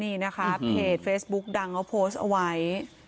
นี่นะคะเพจเฟซบุ๊กดังเขาโพสต์เอาไว้